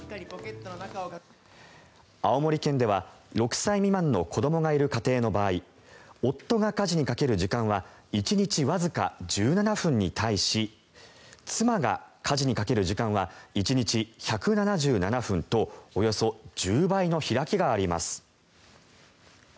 青森県では６歳未満の子どもがいる家庭の場合夫が家事にかける時間は１日わずか１７分に対し妻が家事にかける時間は１日１７７分とおよそ１０倍の開きがあります。